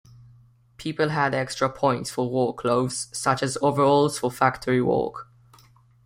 People had extra points for work clothes, such as overalls for factory work.